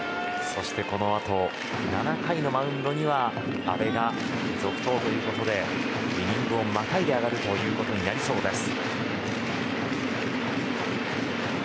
そしてこのあと７回のマウンドには阿部が続投ということでイニングをまたいで上がることになりそうです。